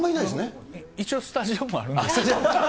一応、スタジオもあるんです。